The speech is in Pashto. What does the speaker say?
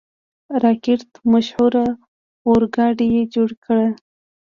د راکټ مشهور اورګاډی یې جوړ کړ.